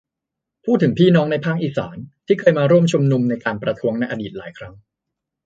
พูดถึงพี่น้องในภาคอีสาน ที่เคยมาร่วมชุมนุมในการประท้วงในอดีตหลายครั้ง